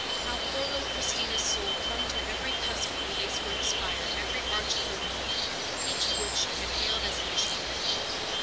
How poor little Christina's soul clung to every cusp of the lacework spire, every arch of the window, each of which she had hailed as an achievement!